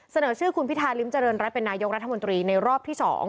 เสนอชื่อคุณพิธาริมเจริญรัฐเป็นนายกรัฐมนตรีในรอบที่๒